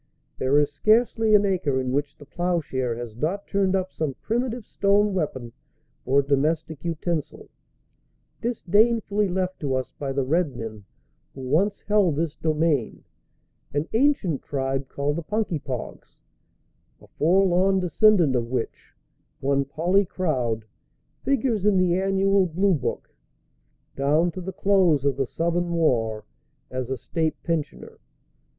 There is scarcely an acre in which the plowshare has not turned up some primitive stone weapon or domestic utensil, disdainfully left to us by the red men who once held this domain an ancient tribe called the Punkypoags, a forlorn descendant of which, one Polly Crowd, figures in the annual Blue Book, down to the close of the Southern war, as a state pensioner.